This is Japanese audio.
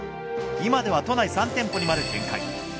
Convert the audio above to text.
今では都内３店舗にまで展開。